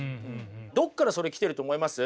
どこからそれ来てると思います？